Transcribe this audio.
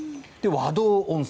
和銅温泉。